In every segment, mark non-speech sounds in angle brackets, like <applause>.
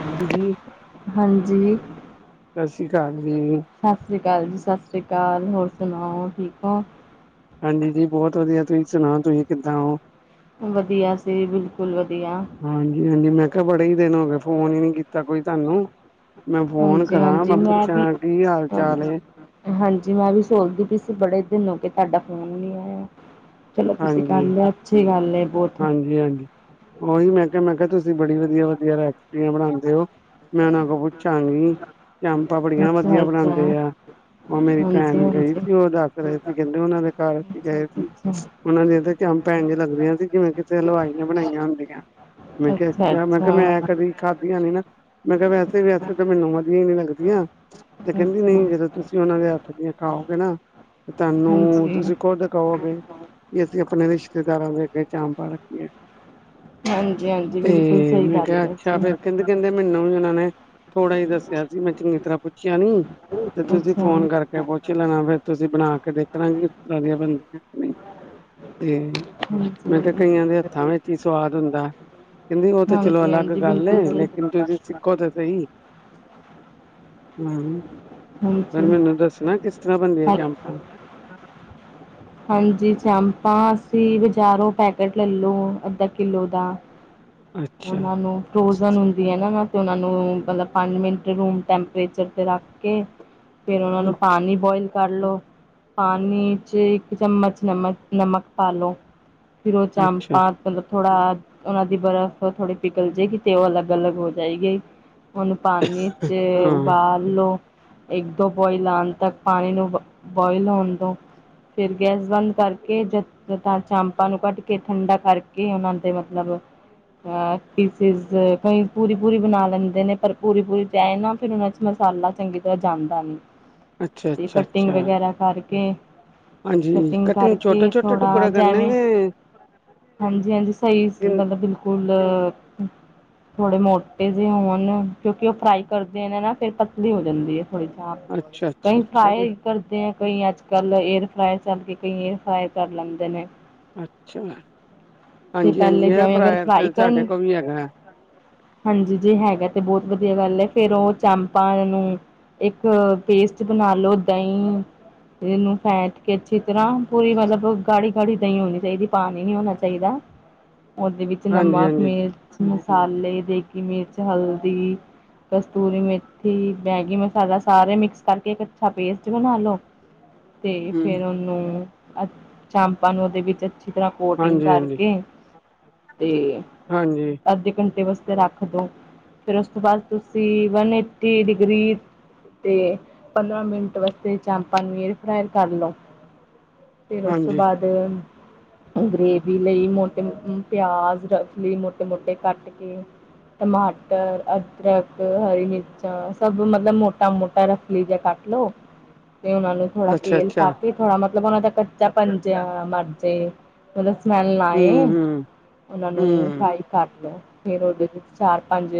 Aunty ਜੀ, ਹਾਂਜੀ, ਸਤਿ ਸ੍ਰੀ ਅਕਾਲ ਜੀ। ਸਤਿ ਸ਼੍ਰੀ ਅਕਾਲ ਜੀ ਸਤਿ ਸ਼੍ਰੀ ਅਕਾਲ ਹੋਰ ਸੁਣਾਓ ਠੀਕ ਹੋ? ਹਾਂਜੀ ਜੀ ਬਹੁਤ ਵਧੀਆ ਤੁਸੀਂ ਸੁਣਾਓ ਤੁਸੀਂ ਕਿੱਦਾਂ ਹੋ? ਵਧੀਆ ਅਸੀ ਵੀ ਬਿਲਕੁਲ ਵਧੀਆ। ਹਾਂਜੀ, ਹਾਂਜੀ। ਮੈਂ ਕਿਹਾ, ਬੜੇ ਹੀ ਦਿਨ ਹੋ ਗਏ, ਫੋਨ ਹੀ ਨੀ ਕੀਤਾ ਕੋਈ ਤੁਹਾਂਨੂੰ? ਮੈਂ ਫੋਨ ਕਰਾਂ ਮੈਂ ਹਾਂਜੀ-ਹਾਂਜੀ ਵੀ ਪੁੱਛਾਂ ਕੀ ਹਾਲ-ਚਾਲ ਹਾਂਜੀ, ਏ। ਹਾਂਜੀ ਮੈਂ ਵੀ ਸੋਚਦੀ ਪਈ ਸੀ ਬੜੇ ਦਿਨ ਹੋ ਕੇ ਤੁਹਾਡਾ ਫੋਨ ਨੀ ਆਇਆ। ਚਲੋ ਤੁਸੀਂ ਕਰ ਲਿਆ ਅੱਛੀ ਗੱਲ ਹੈ ਬਹੁਤ। ਹਾਂਜੀ-ਹਾਂਜੀ। ਉਹੀ ਮੈਂ ਕਿਹਾ ਮੈਂ ਕਿਹਾ ਤੁਸੀਂ ਬੜੀ ਵਧੀਆ-ਵਧੀਆ ਰੈਸਪੀਆਂ ਬਣਾਦੇ ਹੋ। ਮੈਂ ਉਹਨਾਂ ਕੋਲ ਪੁੱਛਾਂਗੀ, ਚੰਪਾ ਬੜੀਆਂ ਵਧੀਆ ਅੱਛਾ-ਅੱਛਾ, ਬਣਾਉਂਦੇ ਆ। ਉਹ ਮੇਰੀ ਭੈਣ ਗਈ ਹਾਂਜੀ-ਹਾਂਜੀ। ਸੀ ਉਹ ਦੱਸ ਰਹੇ ਸੀ ਕਹਿੰਦੇ ਉਹਨਾਂ ਦੇ ਘਰ ਅਸੀ ਗਏ ਸੀ। ਅੱਛਾ-ਅੱਛਾ, ਉਹਨਾਂ ਦੀਆਂ ਤੇ ਚਾਪਾ ਇੰਜ ਲੱਗਦੀਆਂ ਸੀ ਜਿਵੇਂ ਕਿਤੇ ਹਲਵਾਈ ਨੇ ਬਣਾਈਆਂ ਹੁੰਦੀਆ। ਮੈਂ ਕਿਹਾ ਅੱਛਾ ਮੈਂ ਕਿਹਾ ਅੱਛਾ-ਅੱਛਾ, ਮੈਂ ਅੱਛਾ। ਕਦੀ ਖਾਧੀਆਂ ਨੇ ਨਾ ਮੈਂ ਕਿਹਾ ਵੈਸੇ ਵੀ ਵੈਸੇ ਤਾਂ ਮੈਨੂੰ ਵਧੀਆ ਹੀ ਨੀ ਲੱਗਦੀਆਂ। ਤੇ ਅੱਛਾ ਅੱਛਾ ਕਹਿੰਦੀ, ਅੱਛਾ ਨਹੀਂ, ਅੱਛਾ ਜਦੋਂ ਤੁਸੀਂ ਉਹਨਾਂ ਦੇ ਹੱਥ ਦੀਆਂ ਖਾਓਗੇ ਨਾ ਤੁਹਾਨੂੰ ਹਾਂਜੀ, ਤੁਸੀਂ ਖੁਦ ਕਹੋਗੇ ਵੀ ਅਸੀਂ ਆਪਣੇ ਰਿਸ਼ਤੇਦਾਰਾਂ ਦੇ ਅੱਗੇ ਚਾਂਪਾ ਰੱਖੀਏ। ਹਾਂਜੀ-ਹਾਂਜੀ ਤੇ ਬਿਲਕੁਲ ਸਹੀ ਮੈਂ ਗੱਲ ਕਿਹਾ ਏ ਅੱਛਾ ਜੀ, ਫੇਰ ਕਹਿੰਦੇ ਕਹਿੰਦੇ ਮੈਨੂੰ ਇਹਨਾਂ ਨੇ ਥੋੜਾ ਈ ਦੱਸਿਆ ਸੀ ਮੈਂ ਚੰਗੀ ਤਰ੍ਹਾਂ ਪੁੱਛਿਆ ਨੀ ਤੇ ਤੁਸੀਂ ਅੱਛਾ। ਫੋਨ ਕਰਕੇ ਪੁੱਛ ਲੈਣਾ ਫੇਰ ਤੁਸੀਂ ਬਣਾ ਕੇ ਦੇਖਣਾ ਕਿਸ ਤਰ੍ਹਾਂ ਦੀਆਂ ਬਣਦੀਆਂ ਨੇ। ਤੇ, ਮੈਂ ਕਿਹਾ ਹਾਂਜੀ, ਕਈਆਂ ਦੇ ਹੱਥਾਂ ਵਿੱਚ ਹੀ ਸਵਾਦ ਹੁੰਦਾ। ਕਹਿੰਦੀ ਉਹ ਤਾਂ ਚਲੋ ਹਾਂਜੀ ਅਲੱਗ ਹਾਂਜੀ ਗੱਲ ਏ ਬਿਲਕੁਲ ਸਹੀ ਲੇਕਿਨ ਤੁਸੀਂ ਸਿੱਖੋ ਤਾਂ ਸਹੀ। ਹੂੰ ਪਰ ਹਾਂਜੀ ਮੈਨੂੰ ਦੱਸਣਾ ਕਿਸ ਤਰ੍ਹਾਂ ਬਣਦੀਆਂ ਹਾਂ ਕੈਂਪਾਂ। ਹਾਂਜੀ ਚਾਮਪਾਂ ਅਸੀਂ ਬਾਜ਼ਾਰੋਂ ਪੈਕਟ ਲੈ ਲਉ ਅੱਧਾ ਕਿੱਲੋ ਦਾ। ਅੱਛਾ, ਉਹਨਾਂ ਨੂੰ ਫਰੋਜਨ ਹੁੰਦ ਹੁੰਦੀ ਏ ਨਾ ਤੇ ਉਹਨਾ ਨੂੰ ਮਤਲਬ ਪੰਜ ਮਿੰਟ ਰੂਮ ਟੈਂਪਰੇਚਰ ਤੇ ਰੱਖ ਕੇ ਫਿਰ ਉਹਨਾ ਨੂੰ ਪਾਣੀ ਬੋਇਲ ਕਰ ਲੋ, ਪਾਣੀ 'ਚ ਇੱਕ ਚਮਚ ਨਮਕ ਨਮਕ ਪਾ ਲੋ। ਫਿਰ ਉਹ ਅੱਛਾ, ਹਾਂ, ਚਾਮਪਾਂ ਮਤਲਬ ਥੋੜਾ ਉਹਨਾਂ ਦੀ ਬਰਫ਼ ਥੋੜੀ ਪਿਘਲ ਜਾਏਗੀ ਤੇ ਉਹ ਅਲੱਗ-ਅਲੱਗ ਹੋ ਜਾਏਗੀ ਉਹਨੂੰ ਪਾਣੀ 'ਚ ਉਬਾਲ ਲੋ। ਇੱਕ-ਦੋ ਬੁਆਇਲ ਆਣ ਤੱਕ ਪਾਣੀ ਨੂੰ ਬੁਆਇਲ ਹੋਣ ਦੋ। ਫਿਰ ਗੈਸ ਬੰਦ ਕਰਕੇ ਜਦ ਤਾਂ ਚਾਮਪਾਂ ਨੂੰ ਕੱਢ ਕੇ ਠੰਡਾ ਕਰਕੇ ਉਹਨਾਂ ਦੇ ਮਤਲਬ ਅ ਪੀਸਿਸ ਕਈ ਪੂਰੀ-ਪੂਰੀ ਬਣਾ ਲੈਂਦੇ ਨੇ ਪਰ ਪੂਰੀ-ਪੂਰੀ 'ਚ ਆਏ ਨਾ ਫਿਰ ਉਹਨਾਂ 'ਚ ਮਸਾਲਾ ਚੰਗੀ ਤਰਾਂ ਜਾਂਦਾ ਨੀ। ਅੱਛਾ ਅੱਛਾ ਅੱਛਾ। ਆ ਕਟ ਕੇ ਹਾਂਜੀ ਕਟਿੰਗ ਛੋਟੇ-ਛੋਟੇ ਟੁਕੜੇ ਕਰਨੇ ਕਿ ਹਾਂਜੀ-ਹਾਂਜੀ ਸਹੀ ਮਤਲਬ ਬਿਲਕੁਲ ਥੋੜੇ ਮੋਟੇ ਜਿਹੇ ਹੋਣ ਕਿਉਂਕਿ ਉਹ ਫਰਾਈ ਕਰਦੇ ਨੇ ਨਾ ਫਿਰ ਪਤਲੀ ਹੋ ਜਾਂਦੀ ਏ। ਅੱਛਾ, ਅੱਛਾ, ਅੱਛਾ ਬਈ <unintelligible> ਕਰਦੇ ਆ ਕਈ ਅੱਜਕੱਲ੍ਹ ਏਅਰ ਫਰਾਈ ਚੱਲ ਕੇ ਕਈ ਏਅਰ ਫਰਾਈ ਕਰ ਲੈਂਦੇ ਨੇ। ਅੱਛਾ, ਹਾਂਜੀ-ਹਾਂਜੀ ਏਅਰ ਫਰਾਈ ਆਈ <unintelligible> ਹਾਂਜੀ, ਜੇ ਹੈਗਾ ਤੇ ਬਹੁਤ ਵਧੀਆ ਗੱਲ ਐ। ਫੇਰ ਉਹ ਚਾਮਪਾਂ ਨੂੰ ਇੱਕ ਪੇਸਟ ਬਣਾ ਲਓ ਦ‌ਈ ਇਹਨੂੰ ਫੈਟ ਕੇ ਅੱਛੀ ਤਰ੍ਹਾਂ ਪੂਰੀ ਮਤਲਬ ਗਾੜ੍ਹ‌ੀ-ਗਾੜ੍ਹ‌ੀ ਦ‌ਈਂ ਹੋਣੀ ਚਾਈਦੀ, ਪਾਣੀ ਨੀ ਹੋਣਾ ਚਾਈਦਾ ਉਹਦੇ ਵਿੱਚ ਨਮਕ, ਹਾਂਜੀ-ਹਾਂਜੀ, ਮਿਰਚ, ਮਸਾਲੇ, ਦੇਗੀ ਮਿਰਚ, ਹਲਦੀ ਕਸਤੂਰੀ ਮੇਥੀ, ਦੈਗੀ ਮਸਾਲਾ ਸਾਰੇ ਮਿਕਸ ਕਰਕੇ ਇੱਕ ਅੱਛਾ ਪੇਸਟ ਬਣਾ ਲੋ। <inaudible> ਤੇ ਹੂੰ, ਫਿਰ ਉਹਨੂੰ ਅ ਚਾਮਪਾਂ ਨੂੰ ਉਹਦੇ ਵਿੱਚ ਅੱਛੀ ਤਰ੍ਹਾਂ ਕੋਟਿੰਗ ਹਾਂਜੀ-ਹਾਂਜੀ, ਕਰਕੇ ਤੇ ਹਾਂਜੀ। ਅੱਧੇ ਘੰਟੇ ਵਾਸਤੇ ਰੱਖ ਦੋ, ਫਿਰ ਉਸ ਤੋਂ ਬਾਅਦ ਤੁਸੀਂ ਵਨ ਏਟੀ ਡਿਗਰੀ ਤੇ ਪੰਦਰਾਂ ਮਿੰਟ ਵਾਸਤੇ ਚਾਮਪਾਂ ਨੂੰ ਏਅਰ ਫਰਾਈ ਕਰ ਲੋ ਫਿਰ ਉਸ ਤੋਂ ਹਾਂਜੀ। ਬਾਅਦ, ਗਰੇਵੀ ਲਈ ਮੋਟੇ ਪਿਆਜ ਰਫ਼ਲੀ ਮੋਟੇ-ਮੋਟੇ ਕੱਟ ਕੇ ਟਮਾਟਰ, ਅਦਰਕ, ਹਰੀ ਮਿਰਚਾ ਸਭ ਮਤਲਬ ਮੋਟਾ-ਮੋਟਾ ਰੱਖ ਲੀਜਾ ਕੱਟ ਲੋੋ, ਤੇ ਉਹਨਾਂ ਨੂੰ ਥੋੜਾ ਤੇਲ ਅੱਛਾ-ਅੱਛਾ, ਪਾ ਕੇ ਥੋੜਾ, ਮਤਲਬ ਉਹਨਾਂ ਦਾ ਕੱਚਾ ਪਨ ਜਿਆ ਮਰਜੇ। ਉਹਦਾ ਸਮੈਲ ਨਾ ਆਏ। ਹੂੰ-ਹੂੰ, ਹੂੰ। ਉਹਨਾਂ ਹੂੰ, ਨੂੰ ਹੂੰ, ਫਰਾਈ ਕਰ ਲਓ, ਫਿਰ ਉਹਦੇ ਵਿੱਚ ਚਾਰ-ਪੰਜ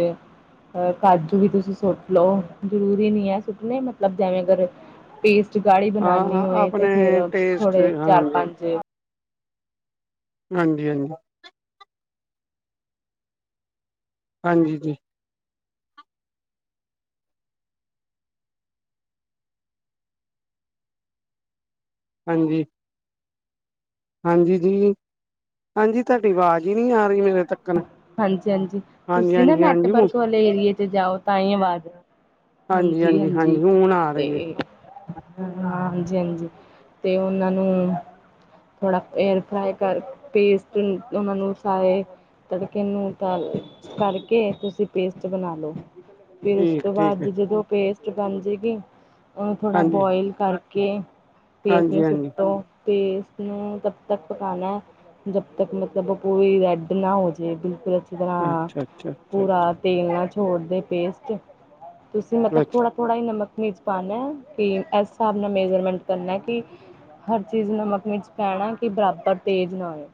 ਅ ਕਾਜੂ ਵੀ ਤੁਸੀਂ ਸੁੱਟ ਲਓ, ਜ਼ਰੂਰੀ ਨੀ ਐ ਸੁੱਟਣੇ ਮਤਲਬ ਜਿਵੇਂ ਅਗਰ ਪੇਸਟ ਗਾੜੀ ਬਣਾਂਨੀ ਹਾਂ, ਹੋਏ ਤੇ ਆਪਣੇ ਫਿਰ ਟੇਸਟ ਥੋੜੇ ਹਾਂਜੀ, ਚਾਰ-ਪੰਜ ਹਾਂਜੀ-ਹਾਂਜੀ। ਹਾਂਜੀ ਜੀ। ਹਾਂਜੀ। ਹਾਂਜੀ ਜੀ, ਹਾਂਜੀ ਤੁਹਾਡੀ ਆਵਾਜ਼ ਈ ਨੀ ਆ ਰਹੀ ਮੇਰੇ ਤੱਕਣ ਹਾਂਜੀ-ਹਾਂਜੀ, ਤੁਸੀਂ ਨਾ ਨੈਟਵਰਕ ਵਾਲੇ ਏਰੀਏ 'ਚ ਜਾਓ ਤਾਂ ਈ ਆਵਾਜ਼ ਹਾਂਜੀ ਹਾਂਜੀ ਹਾਂਜੀ-ਹਾਂਜੀ ਹਾਂਜੀ ਹੁਣ ਆ ਰਹੀ ਹੈ ਤੇ ਹਾਂ ਹਾਂਜੀ-ਹਾਂਜੀ ਤੇ ਉਹਨਾਂ ਨੂੰ ਥੋੜ੍ਹਾ ਏਅਰ ਫਰਾਈ ਕਰ, ਪੇਸਟ ਉਹਨਾਂ ਨੂੰ ਸਾਏ ਤੜਕੇ ਨੂੰ ਤਲ ਕਰਕੇ ਤੁਸੀਂ ਪੇਸਟ ਬਣਾ ਲਉ। ਫਿਰ ਉਸ ਠੀਕ ਤੋਂ ਠੀਕ ਬਾਅਦ ਹੈ। ਜਦੋਂ ਪੇਸਟ ਬਣ ਜੇ ਗੀ। ਉਹਨੂੰ ਥੋੜਾ ਹਾਂਜੀ ਬੋਇਲ ਕਰਕੇ ਕੇ ਪੇਸਟ ਨੂੰ ਹਾਂਜੀ ਹਾਂਜੀ ਸੁੱਟੋ। ਪੇਸਟ ਨੂੰ ਤਬ ਤੱਕ ਪਕਾਨਾਂ ਐ, ਜਬ ਤੱਕ ਮਤਲਬ ਓ ਪੂਰੀ ਰੈੱਡ ਨਾ ਹੋ ਜੇ‌। ਜੇ ਬਿਲਕੁਲ ਅੱਛੀ ਤਰ੍ਹਾਂ ਅੱਛਾ ਅੱਛਾ ਅੱਛਾ ਪੂਰਾ ਤੇਲ ਨਾਲ ਛੋੜਦੇ ਪੇਸਟ, ਤੁਸੀਂ ਮਤਲਬ ਅੱਛਾ ਥੋੜਾ ਥੋੜਾ ਜਾ ਨਮਕ, ਮਿਰਚ ਪਾਣਾਂ ਤੇ ਐਸ ਸਾਬ੍ਹ ਨਾ ਮੇਜਰਮੈਂਟ ਕਰਨਾ ਕਿ ਹਰ ਚੀਜ਼ ਨਮਕ, ਮਿਰਚ ਪੈਣਾ ਕਿ ਬਰਾਬਰ ਤੇਜ਼ ਨਾ ਹੋ,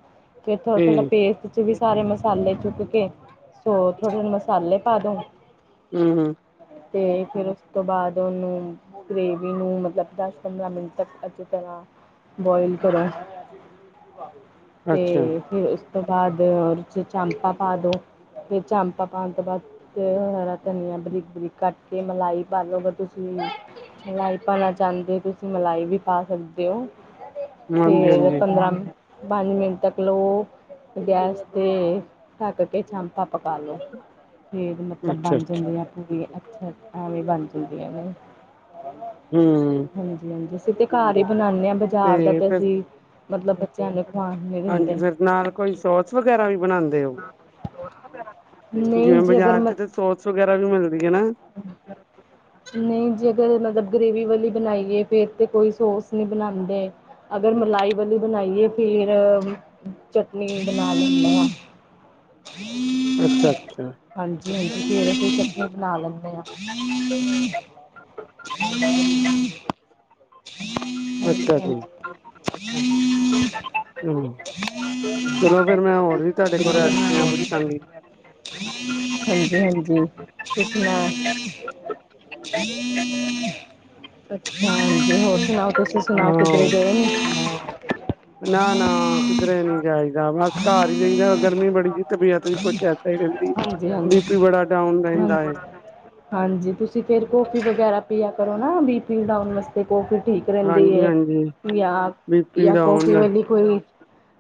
ਫਿਰ ਥੋੜਾ-ਥੋੜ੍ਹਾ ਠੀਕ ਪੇਸਟ 'ਚ ਵੀ ਸਾਰੇ ਮਸਾਲੇ ਚੁੱਕ ਕੇ, ਸੋ ਥੋੜੇ ਮਸਾਲੇ ਪਾ ਦੋ ਹੂੰ-ਹੂੰ। ਤੇ ਫਿਰ ਉਸ ਤੋਂ ਬਾਅਦ ਉਹਨੂੰ ਗ੍ਰੇਵੀ ਨੂੰ ਮਤਲਬ ਦੱਸ-ਪੰਦਰਾਂ ਮਿੰਟ ਤੱਕ ਅੱਛੀ ਤਰ੍ਹਾਂ ਬੋਇਲ ਕਰੋ। ਤੇ ਅੱਛਾ ਫਿਰ ਉਸ ਤੋਂ ਬਾਅਦ ਚ ਚਮਪਾਂ ਪਾ ਦੋ। ਫਿਰ ਚਾਮਪਾਂ ਪਾਣ ਤੋਂ ਬਾਅਦ ਤੇ ਹੁਣ ਹਰਾ ਧਨੀਆ ਬਰੀਕ-ਬਰੀਕ ਕੱਟ ਕੇ, ਮਲਾਈ ਪਾਲੋਗੇ ਤੁਸੀਂ। ਮਲਾਈ ਪਾਣਾ ਚਾਂਦੇ ਓ, ਤੁਸੀਂ ਮਲਾਈ ਵੀ ਪਾ ਸਕਦੇ ਓ ਹਾਂਜੀ ਫੇਰ ਹਾਂਜੀ ਪੰਦਰਾਂ, ਪੰਜ ਮਿੰਟ ਤੱਕ ਲੋ ਗੈਸ ਤੇ ਢੱਕ ਕੇ ਚਮਪਾਂ ਪਕਾ ਲੋ, ਫੇਰ ਮਤਲਬ ਅੱਛਾ ਬਣ ਅੱਛਾ ਜਾਂਦੀਆ। ਪੂਰੀ ਅੱਛਾ, ਐਵੇ ਵੀ ਬਣ ਜਾਂਦੀਆਂ ਨੇ। ਹਮ। ਹਾਂਜੀ-ਹਾਂਜੀ, ਅਸੀਂ ਤੇ ਘਰ ਹੀ ਬਣਾਉਂਦੇ ਹਾਂ ਤੇ ਬਾਜ਼ਾਰ ਦਾ ਤਾਂ ਫਿਰ ਅਸੀਂ ਮਤਲਬ ਬੱਚਿਆਂ ਨੂੰ ਖਵਾਣ ਹਾਂਜੀ, ਫਿਰ ਨਾਲ ਕੋਈ ਸੋਸ ਵਗੈਰਾ ਵੀ ਬਣਾਉਂਦੇ ਹੋ? ਨਹੀਂ ਜਿਵੇਂ ਜੇ ਅਗਰ ਬਾਜ਼ਾਰ ਚ ਮ ਤਾਂ ਸੋਸ ਵਗੈਰਾ ਵੀ ਮਿਲਦੀ ਹੈ ਨਾ <inaudible> ਨਹੀਂ ਜੀ ਜੇ ਅਗਰ ਮਤਲਬ ਗ੍ਰੇਵੀ ਵਾਲੀ ਬਣਾਈਏ ਫੇਰ ਤੇ ਕੋਈ ਸੋਸ ਨਹੀਂ ਬਣਾਉਂਦੇ। ਅਗਰ ਮਲਾਈ ਵਾਲੀ ਬਣਾਈਏ ਫਿਰ ਨੀਂਦ ਲਾਂ ਲੈਂਦੇ ਹਾਂ, ਅੱਛਾ-ਅੱਛਾ। ਹਾਂਜੀ-ਹਾਂਜੀ, ਫੇਰ ਅਸੀਂ ਸਬਜ਼ੀ ਬਣਾ ਲੈਂਦੇ ਆ। ਅੱਛਾ ਜੀ <unintelligible> <unintelligible> ਹੂੰ, ਚਲੋ ਫਿਰ ਮੈਂ ਹੋਰ ਵੀ ਤੁਹਾਡੇ ਕੋਲ ਰੈਸ ਪੀਆ ਪੁੱਛਾਂਗੀ। <unintelligible> <unintelligible> ਅੱਛਾ ਹੋਰ ਸਣਾਓ, ਤੁਸੀਂ ਸੁਣਾਓ ਹਾਂ ਕਿੱਧਰੇ ਗਏ ਨੀ <unintelligible> ਨਾ ਨਾ ਕਿੱਧਰੇ ਨਹੀਂ ਜਾਈ, ਜਾਂ ਬਸ ਘਰ ਹੀ ਰਹਿੰਦਾ ਗਰਮੀ ਬੜੀ ਤਬੀਅਤ ਵੀ ਕੁੱਛ ਐਦਾ ਹੀ ਰਹਿੰਦੀ, ਹਾਂਜੀ ਬੀ ਹਾਂਜੀ ਪੀ ਬੜਾ ਡਾਊਨ ਰਹਿੰਦਾ ਹਾਂਜੀ। ਏ, ਹਾਂਜੀ, ਤੁਸੀਂ ਫੇਰ ਕੌਫੀ ਵਗੈਰਾ ਪਿਆ ਕਰੋ ਨਾ ਬੀ ਪੀ ਡਾਊਨ ਵਾਸਤੇ, ਤੇ ਕੌਫੀ ਠੀਕ ਰਹਿੰਦੀ ਹਾਂਜੀ ਹੈ, ਹਾਂਜੀ ਜਾਂ, ਬੀ ਪੀ ਜਾਂ ਕੌਫੀ ਡਾਊਨ ਵੇ ਕੋਈ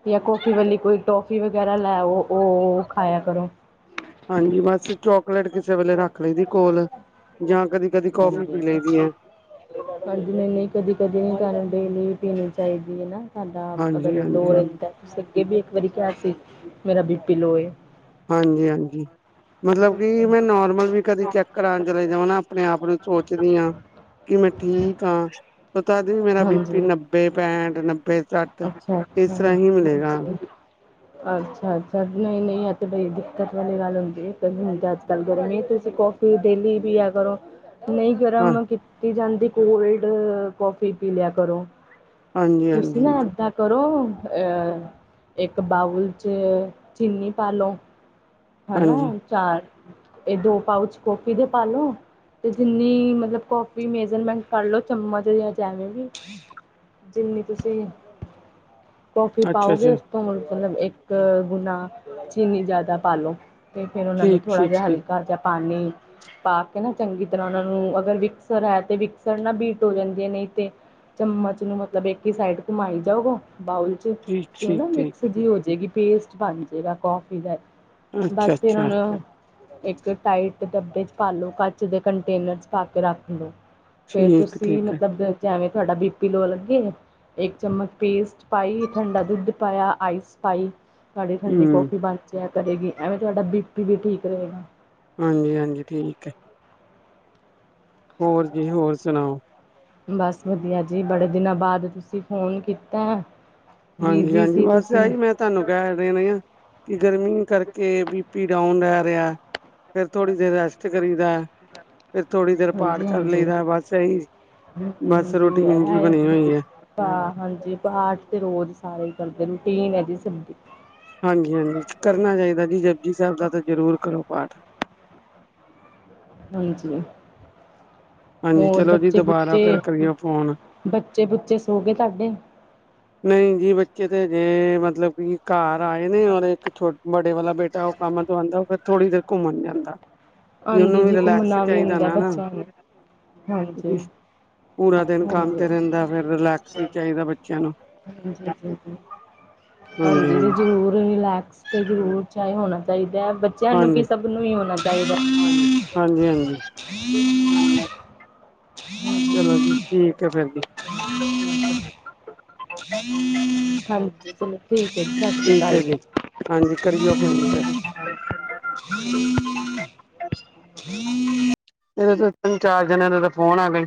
ਜਾਂ ਕੌਫੀ ਵਾਲੀ ਕੋਈ ਟੋਫੀ ਵਗੈਰਾ ਲੈਓ ਉਹ ਖਾਇਆ ਕਰੋ, ਹਾਂਜੀ ਬਸ, ਚੋਕਲੇਟ ਕਿਸੇ ਵੇਲੇ ਰੱਖ ਲਈ ਦੀ ਕੋਲ ਜਾਂ ਕਦੀ ਕਦੀ ਕੌਫੀ ਹਾਂਜੀ ਪੀ ਲਈ ਦੀ ਹੈ। ਹਾਂਜੀ, ਨਹੀਂ-ਨਹੀਂ ਕਦੀ-ਕਦੀ ਨਹੀਂ ਕਰਨ ਡੇਲੀ ਪੀਣੀ ਚਾਹੀਦੀ ਹੈ ਨਾ, ਸਾਡਾ ਹਾਂਜੀ ਅਗਰ ਲੋਅ ਹਾਂਜੀ ਹਾਂਜੀ ਰਹਿੰਦਾ ਤੁਸੀਂ ਅੱਗੇ ਵੀ ਇੱਕ ਵਾਰੀ ਕਿਹਾ ਸੀ ਮੇਰਾ ਬੀ ਪੀ ਲੋਅਏ, ਹਾਂਜੀ-ਹਾਂਜੀ। ਮਤਲਬ ਕਿ ਮੈਂ ਨੋਰਮਲ ਵੀ ਕਦੇ ਚੈੱਕ ਕਰਾਉਣ ਚਲੇ ਜਾਵਾਂ ਨਾ ਆਪਣੇ ਆਪ ਨੂੰ ਸੋਚਦੀ ਹਾਂ। ਕਿ ਮੈਂ ਠੀਕ ਹਾਂ, ਪਤਾ ਦੀ ਵੀ ਮੇਰਾ ਬੀਪੀ ਹਾਂਜੀ ਨੱਬੇ ਪੈਂਠ ਨੱਬੇ ਸੱਠ, ਅੱਛਾ ਤੀਸਰਾ ਹੀ ਮਿਲੇਗਾ, ਅੱਛਾ-ਅੱਛਾ, ਨਹੀਂ-ਨਹੀਂ, ਅੱਜ ਬਈ ਦਿੱਕਤ ਵਾਲੀ ਗੱਲ ਹੁੰਦੀ ਹੈ <unintelligible> ਗਰਮ ਤੁਸੀਂ ਕੌਫੀ ਡੇਲੀ ਵੀ ਆ ਕਰੋ ਨਹੀਂ ਹਾਂ ਗਰਮ ਕਿ ਪੀਤੀ ਜਾਂਦੀ ਕੋਲਡ ਕੌਫੀ ਪੀ ਲਿਆ ਕਰੋ, ਹਾਂਜੀ ਤੁਸੀਂ ਹਾਂਜੀ ਨਾ ਇਦਾਂ, ਕਰੋ ਅ, ਇੱਕ ਬਾਊਲ ਚ ਚੀਨੀ ਪਾ ਲੋੋ, ਹਨਾ ਹਾਂਜੀ ਚਾਰ, ਇਹ ਦੋ ਪਾਊਚ ਕੋਫੀ ਦੇ ਪਾ ਲੋ, ਤੇ ਜਿੰਨੀ ਮਤਲਬ ਕੌਫੀ ਮੇਜਰਮੈਂਟ ਕਰਲੋ ਚਮਚ ਜਾਂ ਜਿਵੇਂ ਵੀ, ਜਿੰਨੀ ਤੁਸੀਂ, ਕੌਫੀ ਅੱਛਾ ਪਾਓਗੇ, ਅੱਛਾ ਉਸ ਤੋਂ ਮਤਲਬ ਇੱਕ ਗੁਨਾ ਚੀਨੀ ਜ਼ਿਆਦਾ ਪਾਲੋ, ਤੇ ਫੇਰ ਉਹਨਾਂ ਨੂੰ ਠੀਕ ਥੋੜ੍ਹਾ ਠੀਕ ਜਿਹਾ ਠੀਕ ਹਲਕਾ ਜਾਂ ਪਾਣੀ, ਪਾ ਕੇ ਨਾ ਚੰਗੀ ਤਰ੍ਹਾਂ ਉਹਨਾਂ ਨੂੰ ਅਗਰ ਵਿਕਸਰ ਹੈ ਤੇ ਵਿਕਸਰ ਨਾ ਬੀਟ ਹੋ ਜਾਂਦੀ ਹੈ ਨਹੀਂ ਤੇ, ਚਮਚ ਨੂੰ ਮਤਲਬ ਇੱਕ ਹੀ ਸਾਈਡ ਘੁਮਾਈ ਜਾਊ ਬਾਊਲ ਚ, ਠੀਕ ਤੇ ਉਹ ਠੀਕ ਨਾ ਠੀਕ ਮਿਕਸ ਜੀ ਹੋਜੇ ਗੀ ਪੇਸਟ ਬਣ ਜਾਏਗਾ ਕੌਫੀ ਦਾ, ਅੱਛਾ ਬਸ ਫਿਰ ਅੱਛਾ ਹੁਣ, ਇੱਕ ਟਾਈਟ ਡੱਬੇ ਚ ਪਾ ਲੋ ਕੱਚ ਦੇ ਕੰਟੇਨਰ ਚ ਪਾ ਕੇ ਰੱਖ ਲਓ। ਫੇਰ ਠੀਕ ਤੁਸੀਂ ਠੀਕ ਹੈ ਮਤਲਬ ਜਿਵੇਂ ਤੁਹਾਡਾ ਬੀ ਪੀ ਲੋ ਲੱਗੇ, ਇੱਕ ਚਮਚ ਪੇਸਟ ਪਾਈ ਠੰਡਾ ਦੁੱਧ ਪਾਇਆ ਆਈਸ ਪਾਈ, ਸਾਡੀ ਠੰਡੀ ਹਮ ਕੌਫੀ ਬਣਚਿਆ ਕਰੇਗੀ ਐਵੇਂ ਤੁਹਾਡਾ ਬੀ ਪੀ ਵੀ ਠੀਕ ਰਹੇਗਾ। ਹਾਂਜੀ-ਹਾਂਜੀ, ਠੀਕ ਹੈ। ਹੋਰ ਜੀ ਹੋਰ ਸੁਣਾਓ। ਬਸ ਵਧੀਆ ਜੀ ਬੜੇ ਦਿਨਾਂ ਬਾਅਦ ਤੁਸੀਂ ਫੋਨ ਕੀਤਾ ਹੈ। ਬਿਜ਼ੀ ਹਾਂਜੀ-ਹਾਂਜੀ, ਸੀ ਬਸ ਤੁਸੀਂ ਆਹੀ ਮੈਂ, ਤੁਹਾਨੂੰ ਕਹਿ ਰਹੇ ਨੇ, ਆ ਕਿ ਗਰਮੀ ਕਰਕੇ ਬੀ ਪੀ ਡਾਊਨ ਰਹਿ ਰਿਹਾ। ਫੇਰ ਥੋੜ੍ਹੀ ਦੇਰ ਰੈਸਟ ਕਰੀ ਦਾ। ਫਿਰ ਥੋੜੀ ਦੇਰ ਪਾਠ ਹਾਂਜੀ ਕਰ ਹਾਂਜੀ ਲਈਦਾ ਬਸ ਇਹੀ, ਬਸ ਰੋਟੀਨ ਇੰਜ ਬਣੀ ਹੋਈ ਹੈ। ਹਾਂ, ਹਾਂਜੀ। ਪਾਠ ਤੇ ਰੋਜ਼ ਸਾਰੇ ਕਰਦੇ ਰੂਟੀਨ ਹੈ ਜੀ ਸਾਡੀ। ਹਾਂਜੀ -ਹਾਂਜੀ ਕਰਨਾ ਚਾਹੀਦਾ ਜੀ ਜਪਜੀ ਸਾਹਿਬ ਦਾ ਤਾਂ ਜ਼ਰੂਰ ਕਰੋ ਪਾਠ। ਹਾਂਜੀ। ਹਾਂਜੀ ਹੋਰ ਚਲੋ ਜੀ ਬੱਚੇ- ਦੁਬਾਰਾ ਬੁੱਚੇ ਫਿਰ ਕਰੀਓ ਫੋਨ ਬੱਚੇ- ਬੁੱਚੇ ਸੋ ਗਏ ਤੁਹਾਡੇ? ਨਹੀਂ ਜੀ ਬੱਚੇ ਤੇ ਜੇ, ਮਤਲਬ ਕਿ ਘਰ ਆਏ ਨੇ ਔਰ ਇੱਕ ਬਡੇ ਵਾਲਾ ਬੇਟਾ ਉਹ ਕੰਮ ਤੋਂ ਆਉਂਦਾ ਫਿਰ ਥੋੜ੍ਹੀ ਦੇਰ ਘੁੰਮਣ ਜਾਂਦਾ। ਕਿ ਉਹਨੂੰ ਹਾਂਜੀ ਵੀ ਜੀ ਰਿਲੈਕਸ ਘੁੰਮਣਾ ਵੀ ਚਾਹੀਦਾ ਹੁੰਦਾ ਨਾ। ਬੱਚਿਆਂ ਨੂੰ ਹਾਂਜੀ ਪੂਰਾ ਦਿਨ ਕੰਮ ਤੇ ਹਾਂਜੀ ਰਹਿੰਦਾ ਫਿਰ ਰਿਲੈਕਸ ਵੀ ਚਾਹੀਦਾ ਬੱਚਿਆਂ ਨੂੰ। ਹਾਂਜੀ ਹਾਂਜੀ-ਹਾਂਜੀ ਜੀ ਜ਼ਰੂਰ ਰਿਲੈਕਸ। ਅਤੇ ਜ਼ਰੂਰ ਚਾਹੇ ਹੋਣਾ ਚਾਹੀਦਾ ਹੈ ਬੱਚਿਆਂ ਹਾਂ ਨੂੰ ਹਾਂਜੀ ਕਿ ਸਭ ਨੂੰ ਹੀ ਹੋਣਾ ਚਾਹੀਦਾ। ਹਾਂਜੀ- ਹਾਂਜੀ। <unintelligible> ਚਲੋ ਜੀ, ਠੀਕ ਹੈ ਫੇਰ ਜੀ। ਹਾਂਜੀ। ਚਲੋ ਠੀਕ ਹੈ, ਠੀਕ ਹੈ ਜੀ ਸਤਿ ਹਾਂਜੀ ਕਰੀਓ ਫੋਨ ਫਿਰ ਸ਼੍ਰੀ ਅਕਾਲ ਜੀ। <unintelligible> ਇਹਦੇ ਤਿੰਨ- ਚਾਰ ਜਨਾਂ ਦੇ ਤਾਂ ਫੋਨ ਆ ਗਏ।